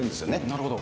なるほど。